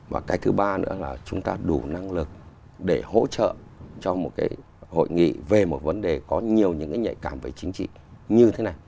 và cái thứ ba nữa là chúng ta đủ năng lực để hỗ trợ cho một cái hội nghị về một vấn đề có nhiều những cái nhạy cảm về chính trị như thế này